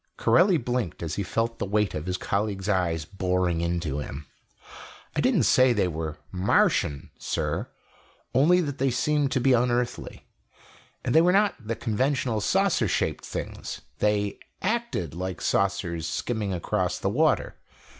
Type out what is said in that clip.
Corelli blinked as he felt the weight of his colleagues' eyes boring into him. "I didn't say they were Martian, sir only that they seemed to be unearthly. And they were not the conventional saucer shaped things they acted like saucers skimming across the water.